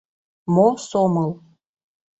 Мо сомыл?